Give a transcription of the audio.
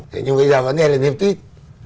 thế nhưng bây giờ vấn đề là niềm tin